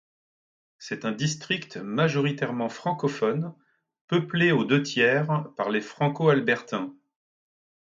C'est un district majoritairement francophone peuplé aux deux-tiers par les Franco-albertains.